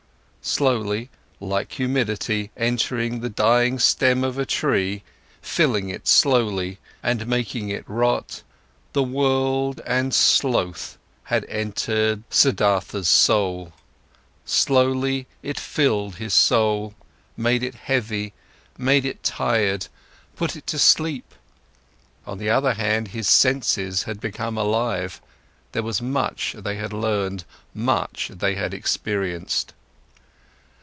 Slowly, like humidity entering the dying stem of a tree, filling it slowly and making it rot, the world and sloth had entered Siddhartha's soul, slowly it filled his soul, made it heavy, made it tired, put it to sleep. On the other hand, his senses had become alive, there was much they had learned, much they had experienced.